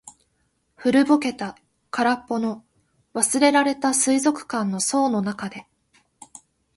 古ぼけた、空っぽの、忘れられた水族館の槽の中で。